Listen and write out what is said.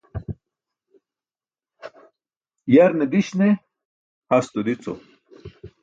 Yarne diś ne hasto dico